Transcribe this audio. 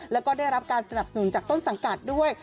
แล้วก็ได้รับการสนับสนุนจากต้นสังกัดด้วย